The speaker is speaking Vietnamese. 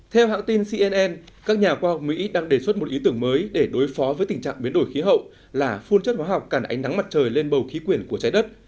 theo hãng tin cnn các nhà khoa học mỹ đang đề xuất một ý tưởng mới để đối phó với tình trạng biến đổi khí hậu là phun chất hóa học càn ánh nắng mặt trời lên bầu khí quyển của trái đất